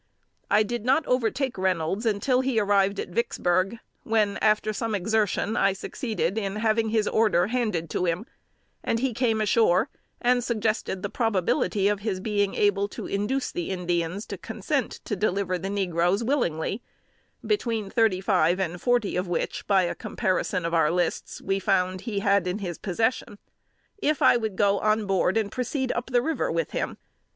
I did not overtake Reynolds until he arrived at Vicksburg, when, after some exertion, I succeeded in having his order handed to him; and he came ashore, and suggested the probability of his being able to induce the Indians to consent to deliver the negroes willingly (between thirty five and forty of which, by a comparison of our lists, we found he had in his possession), if I would go on board and proceed up the river with him.